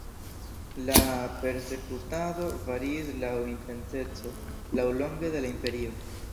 La persekutado variis laŭ intenseco laŭlonge de la imperio.